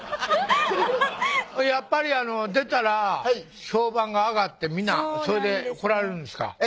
やっぱり出たら評判が上がってみんなそれで来られるんですか？